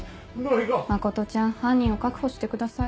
真ちゃん犯人を確保してください。